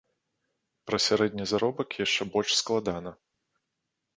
Пра сярэдні заробак яшчэ больш складана.